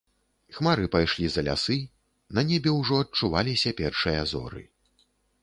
Хмары пайшлі за лясы, на небе ўжо адчуваліся першыя зоры.